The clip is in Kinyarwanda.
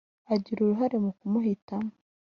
agira uruhare mu kumuhitamo.